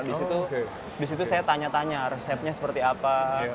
di situ saya tanya tanya resepnya seperti apa